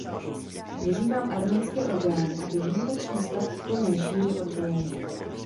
Vyzývám arménské orgány, aby výjimečný stav v plné šíři odvolaly.